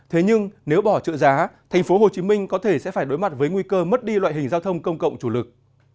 thế nhưng nếu bỏ trợ giá tp hcm có thể sẽ phải đối mặt với nguy cơ mất đi loại hình giao thông công cộng chủ lực